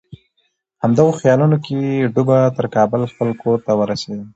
همدغو خیالونو کې ډوبه تر کابل خپل کور ته ورسېدم.